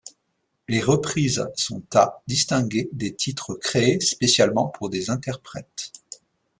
Les reprise sont à distinguer des titres créés spécialement pour des interprètes.